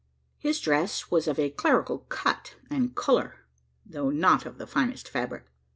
His dress was of a clerical cut and colour though not of the finest fabric.